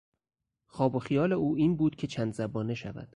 خواب و خیال او این بود که چند زبانه شود.